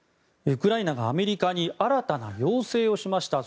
ウクライナがアメリカに新たな要請をしました。